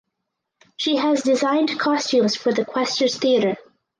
She has designed costumes for The Questors Theatre.